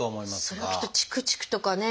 それはきっとチクチクとかね